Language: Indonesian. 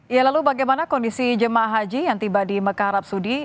ya lalu bagaimana kondisi jemaah haji yang tiba di mekah arab saudi